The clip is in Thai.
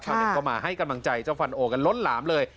เข้ามาให้กำลังใจเจ้าฟันโอกันล้นหลามเลย